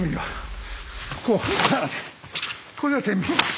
これが天秤。